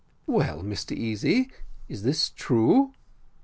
"Well, Mr Easy, is this true?"